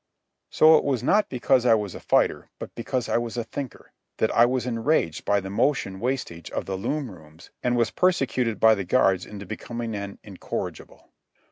So it was not because I was a fighter, but because I was a thinker, that I was enraged by the motion wastage of the loom rooms and was persecuted by the guards into becoming an "incorrigible."